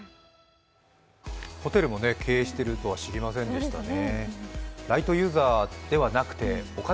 ホテルも経営しているとは知りませんでしたね。